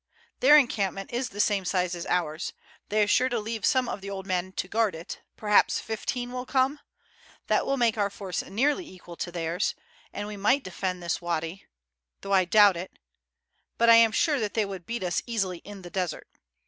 "Their encampment is the same size as ours; they are sure to leave some of the old men to guard it, perhaps fifteen will come. That will make our force nearly equal to theirs, and we might defend this wady, though I doubt it, but I am sure that they would beat us easily in the desert.